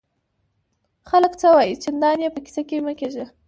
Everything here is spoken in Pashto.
خلک څه وایي؟ چندان ئې په کیسه کي مه کېږه!